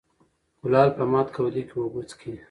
ـ کولال په مات کودي کې اوبه څکي.